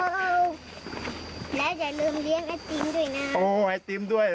แล้วอย่าลืมเลี้ยงไอศติมด้วยน่ะโอ้ไอศติมด้วยเหรอใช่